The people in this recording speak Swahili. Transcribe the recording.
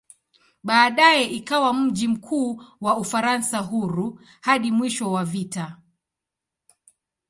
Baadaye ikawa mji mkuu wa "Ufaransa Huru" hadi mwisho wa vita.